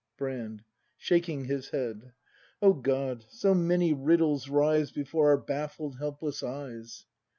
Brand. [Shaking his head.] O God, so many riddles rise Before our baflfled, helpless eyes!